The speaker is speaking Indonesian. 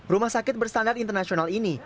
rumah sakit bersandar internasional ini